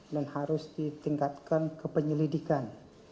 dan harus ditingkatkan ke penyelidikan